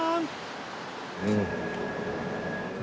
うん！